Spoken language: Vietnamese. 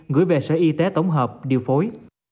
gửi về sở y tế tổng hợp điều phối